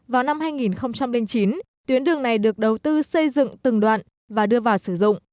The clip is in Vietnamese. vào năm hai nghìn chín tuyến đường này được đầu tư xây dựng từng đoạn và đưa vào sử dụng